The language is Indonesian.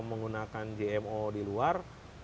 menggunakan gmo di luar